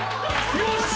よし！